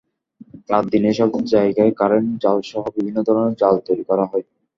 রাত-দিন এসব জায়গায় কারেন্ট জালসহ বিভিন্ন ধরনের জাল তৈরি করা হয়।